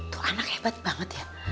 tuh anak hebat banget ya